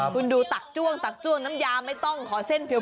คุณดูตักจ้วงน้ำยามไม่ต้องขอเส้นเพียว